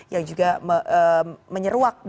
yang juga menyeruak